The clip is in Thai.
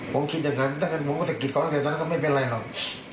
ผมคิดอย่างนั้นถ้าเกิดผมก็สะกิดเขาตั้งแต่ตอนนั้นก็ไม่เป็นไรหรอก